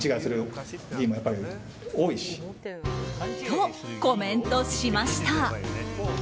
と、コメントしました。